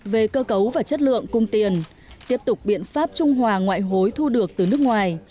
về cơ cấu và chất lượng cung tiền tiếp tục biện pháp trung hòa ngoại hối thu được từ nước ngoài